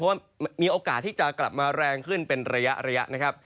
เพราะว่ามีโอกาสที่จะกลับมาแรงขึ้นเป็นระยะนะครับ